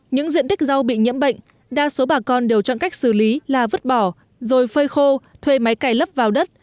những diện tích rau bị nhiễm bệnh đa số bà con đều chọn cách xử lý là vứt bỏ rồi phơi khô thuê máy cày lấp vào đất